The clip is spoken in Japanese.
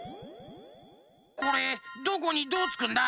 これどこにどうつくんだ？